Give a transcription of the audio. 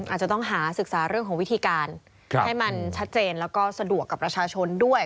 อาจจะต้องหาศึกษาเรื่องของวิธีการให้มันชัดเจนแล้วก็สะดวกกับประชาชนด้วย